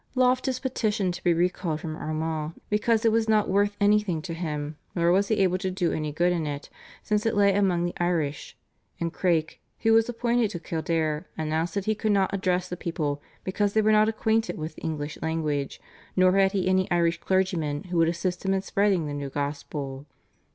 Loftus petitioned to be recalled from Armagh because it was not worth anything to him nor was he able to do any good in it, since it lay among the Irish; and Craik, who was appointed to Kildare, announced that he could not address the people because they were not acquainted with the English language, nor had he any Irish clergymen who would assist him in spreading the new gospel.